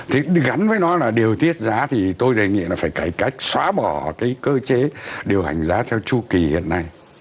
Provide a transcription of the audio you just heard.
thì gắn với nó là điều tiết giá thì tôi đề nghị là phải cải cách xóa bỏ cái cơ chế điều hành giá theo chu kỳ hiện nay